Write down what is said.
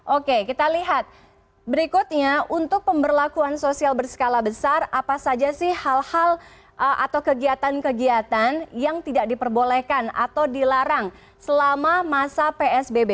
oke kita lihat berikutnya untuk pemberlakuan sosial berskala besar apa saja sih hal hal atau kegiatan kegiatan yang tidak diperbolehkan atau dilarang selama masa psbb